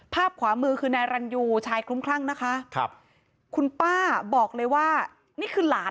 ภาพขวามือคือนายรันยูชายคลุ้มคลั่งนะคะ